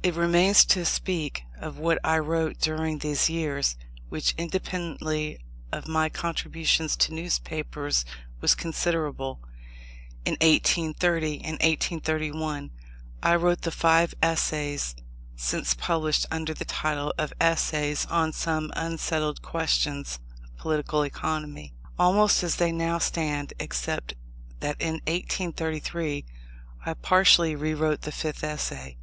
It remains to speak of what I wrote during these years, which, independently of my contributions to newspapers, was considerable. In 1830 and 1831 I wrote the five Essays since published under the title of Essays on some Unsettled Questions of political Economy, almost as they now stand, except that in 1833 I partially rewrote the fifth Essay.